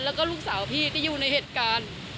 แล้วก็ลูกสาวพี่ที่อยู่ในเหตุการณ์